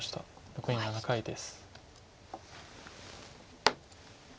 残り８回です。